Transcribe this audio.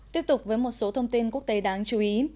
tiếp tục với một số thông tin quốc tế đáng chú ý